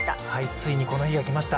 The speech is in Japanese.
ついにこの日がきました。